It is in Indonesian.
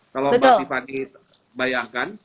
kalau mbak tiffany bayangkan